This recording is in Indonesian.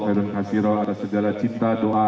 khairul khasiroh ada segala cinta doa